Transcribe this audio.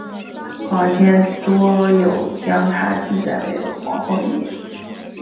坊间多有将她记载为黄凤仪。